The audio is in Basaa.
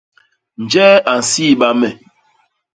Njee a nsiiba me?